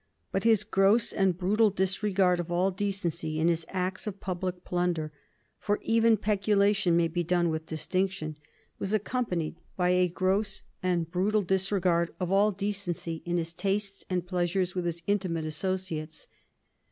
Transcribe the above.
But his gross and brutal disregard of all decency in his acts of public plunder for even peculation may be done with distinction was accompanied by a gross and brutal disregard of all decency in his tastes and pleasures with his intimate associates.